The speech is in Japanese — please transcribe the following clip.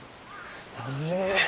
・あれ？